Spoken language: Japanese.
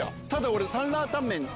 俺サンラータンメン